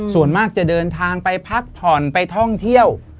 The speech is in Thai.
ส่วนมากจะเดินทางไปพักผ่อนไปท่องเที่ยว